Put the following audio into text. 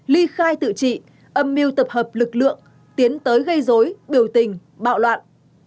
ly khai tự trị âm mưu tập hợp lực lượng tiến tới gây dối biểu tình bạo loạn